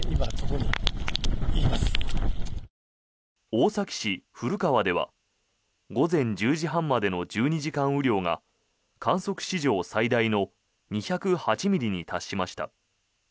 大崎市古川では午前１０時半までの１２時間雨量が観測史上最大の２０８ミリに達しました。